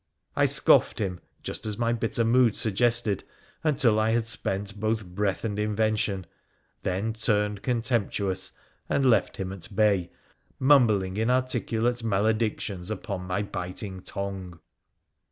I scoffed him, just as my bitter mood suggested, until I had spent both breath and invention, then turned contemptuous, and left 134 WONDERFUL ADVENTURES OF him at bay, mumbling inarticulate maledictions upon my biting tongue.